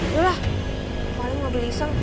yaudah paling gak beli iseng